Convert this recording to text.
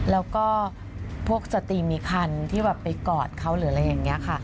แล้วก็พวกสตรีมีคันที่แบบไปกอดเขาหรืออะไรอย่างนี้ค่ะ